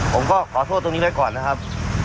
ผมก็ขอโทษตรงนี้ไว้ก่อนนะครับ